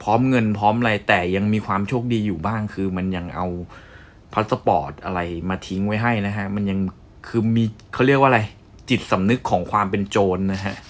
พร้อมเงินพร้อมอะไรแต่ยังมีความโชคดีอยู่บ้างคือมันยังเอาพัสสปอร์ตอะไรมาทิ้งไว้ให้นะฮะมันยังคือมีเขาเรียกว่าอะไรจิตสำนึกของความเป็นโจรนะฮะ